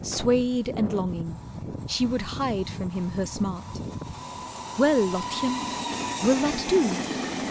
Swayed And longing, she would hide from him her smart. "Well, Lottchen, will that do?"